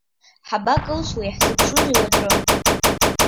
Ҳабакылсуеи, иаҳзыԥшузеи уаҵәы?